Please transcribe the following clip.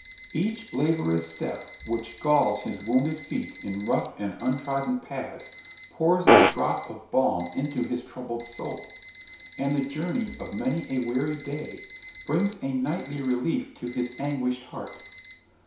Each laborious step which galls his wounded feet in rough and untrodden paths pours a drop of balm into his troubled soul, and the journey of many a weary day brings a nightly relief to his anguished heart.